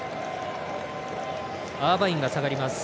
アーバインが下がります。